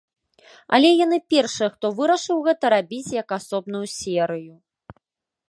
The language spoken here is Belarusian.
Але яны першыя, хто вырашыў гэта рабіць як асобную серыю.